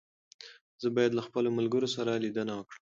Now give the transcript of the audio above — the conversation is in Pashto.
زه بايد له خپلو ملګرو سره ليدنه وکړم.